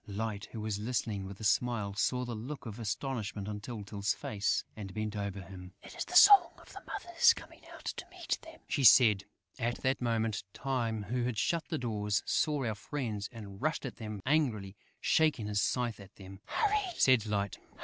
Light, who was listening with a smile, saw the look of astonishment on Tyltyl's face and bent over him: "It is the song of the mothers coming out to meet them," she said. At that moment, Time, who had shut the doors, saw our friends and rushed at them angrily, shaking his scythe at them. "Hurry!" said Light.